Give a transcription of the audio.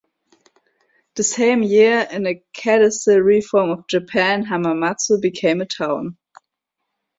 The same year, in a cadastal reform of Japan, Hamamatsu became a town.